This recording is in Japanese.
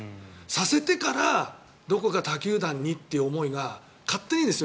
させてからどこか他球団にという思いが勝手にですよ